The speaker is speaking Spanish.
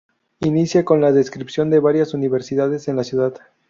Inicia con la descripción de varias universidades en la ciudad.